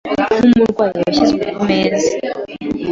Nkumurwayi washyizwe kumeza;